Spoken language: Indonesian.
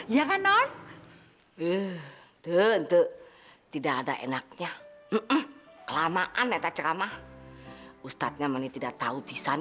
ya kan non eh tentu tidak ada enaknya kelamaan neta ceramah ustadznya mani tidak tahu pisan